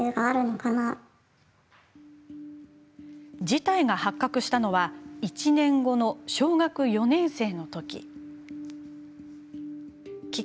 事態が発覚したのは１年後の小学４年生のとき。